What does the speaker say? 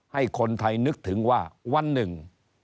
ให้คนไทยนึกถึงว่าวันหนึ่ง